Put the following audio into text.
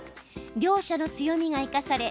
両者の強みが生かされ